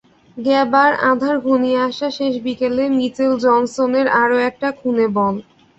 গ্যাবার আঁধার ঘনিয়ে আসা শেষ বিকেলে মিচেল জনসনের আরও একটা খুনে বল।